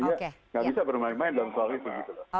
nggak bisa bermain main dan soalnya begitu